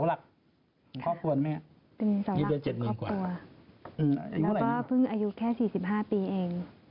แล้วก็เพิ่งอายุแค่๔๕ปีเอง